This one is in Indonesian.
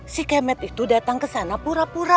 si kemet itu datang kesana pura pura